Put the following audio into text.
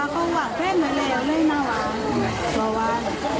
คุณแหวนก่อนเองพอลูกไหม